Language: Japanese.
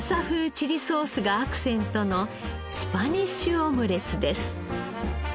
チリソースがアクセントのスパニッシュオムレツです。